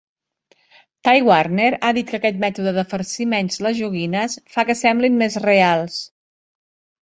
Ty Warner ha dit que aquest mètode de farcir menys les joguines fa que semblin més "reals".